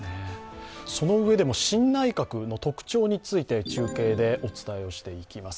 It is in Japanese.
そのうえでも新内閣の特徴について、中継でお伝えしていきます。